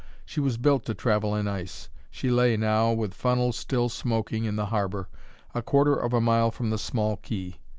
She was built to travel in ice. She lay now, with funnel still smoking, in the harbour, a quarter of a mile from the small quay.